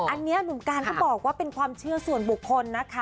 อันนี้หนุ่มการก็บอกว่าเป็นความเชื่อส่วนบุคคลนะคะ